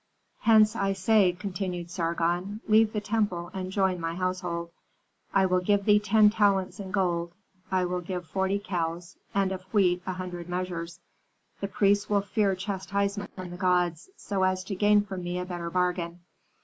"Hence I say," continued Sargon, "leave the temple and join my household. I will give thee ten talents in gold; I will give forty cows, and of wheat a hundred measures. The priests will fear chastisement from the gods, so as to gain from me a better bargain.